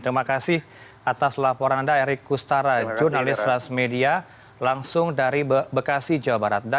terima kasih atas laporan anda erik kustara jurnalis transmedia langsung dari bekasi jawa barat